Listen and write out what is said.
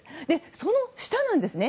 その下なんですね。